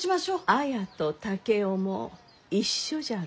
綾と竹雄も一緒じゃろ。